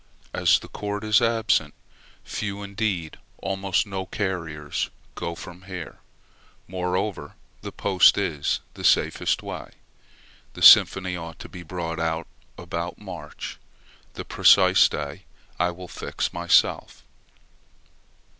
As the Court is absent, few, indeed almost no couriers go from here; moreover, the post is the safest way. The Symphony ought to be brought out about March; the precise day I will fix myself.